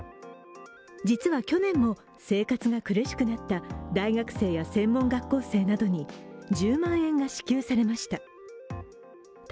実は、去年も生活が苦しくなった大学生や専門学校生などに１０万円が支給されました。